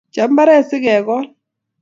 Chop mbaret sikekol